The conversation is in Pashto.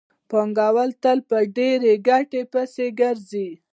پانګوال تل په ډېرې ګټې پسې ګرځي